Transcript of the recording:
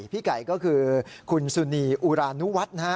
พี่ไก่ก็คือคุณสุนีอุรานุวัฒน์นะฮะ